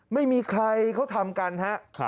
ไม่มีใครเขาทำกันฮะ